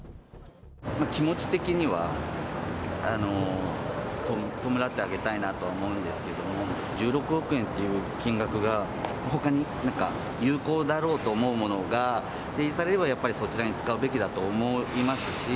気持ち的には弔ってあげたいなとは思うんですけれども、１６億円という金額が、ほかになんか、有効だろうと思うものが提示されれば、やっぱりそちらに使うべきだと思いますし。